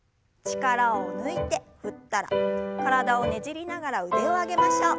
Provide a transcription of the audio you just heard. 力を抜いて振ったら体をねじりながら腕を上げましょう。